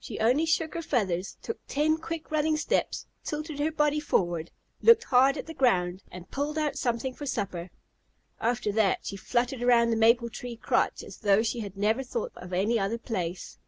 She only shook her feathers, took ten quick running steps, tilted her body forward, looked hard at the ground, and pulled out something for supper. After that she fluttered around the maple tree crotch as though she had never thought of any other place.